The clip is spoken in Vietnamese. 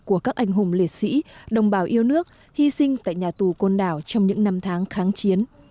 của các anh hùng liệt sĩ đồng bào yêu nước hy sinh tại nhà tù côn đảo trong những năm tháng kháng chiến